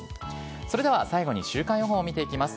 それでは最後に週間予報を見ていきます。